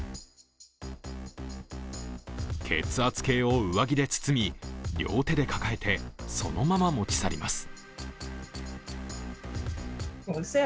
血圧計を上着で包み両手で抱えてそのまま持ち去ります。